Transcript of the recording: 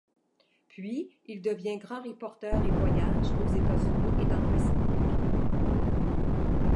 Puis, il devient grand reporter et voyage aux États-Unis et dans le Pacifique.